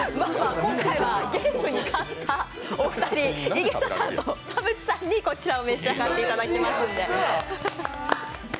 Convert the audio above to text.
今回はゲームに勝ったお二人、井桁さんと田渕さんに、こちらを召し上がっていただきます。